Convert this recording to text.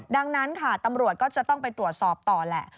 ดังนั้นค่ะตำรวจก็จะต้องไปตรวจสอบต่อแหละ